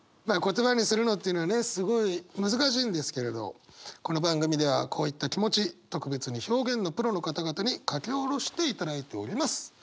言葉にするのっていうのはねすごい難しいんですけれどこの番組ではこういった気持ち特別に表現のプロの方々に書き下ろしていただいております。